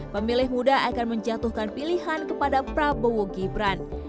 pemilih muda akan menjatuhkan pilihan kepada prabowo gibran